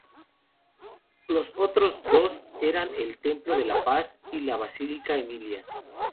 Los otros dos eran el templo de la Paz y la Basílica Emilia.